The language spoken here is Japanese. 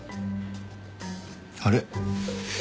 あれ？